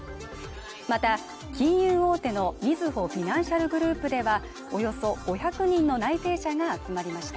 また、金融大手のみずほフィナンシャルグループではおよそ５００人の内定者が集まりました。